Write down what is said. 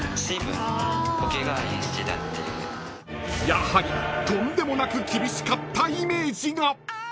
［やはりとんでもなく厳しかったイメージが］